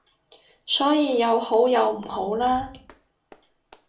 所以有好有唔好啦